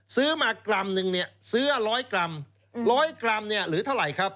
ซื้อมากรัมนึงเนี่ยซื้อร้อยกรัมร้อยกรัมเนี่ยหรือเท่าไหร่ครับ